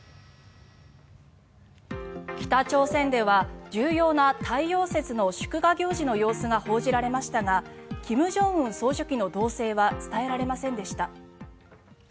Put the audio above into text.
北朝鮮では重要な太陽節の祝賀行事の様子が報じられましたが金正恩総書記の動静は伝えられませんでした。